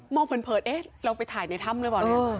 มองเผินเอ๊ะเราไปถ่ายในถ้ำเลยบ้างเนี่ย